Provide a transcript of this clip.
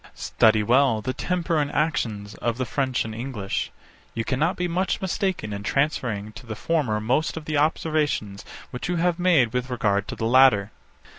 Study well the temper and actions of the French and English: You cannot be much mistaken in transferring to the former most of the observations which you have made with regard to the latter.